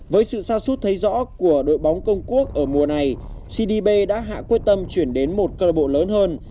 với sự xa xút thấy rõ của đội bóng công quốc ở mùa này cdb đã hạ quyết tâm chuyển đến một club lớn hơn